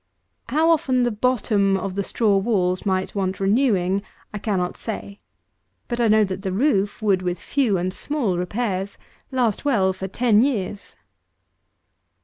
How often the bottom of the straw walls might want renewing I cannot say, but I know that the roof would with few and small repairs, last well for ten years.